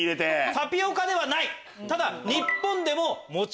タピオカではない！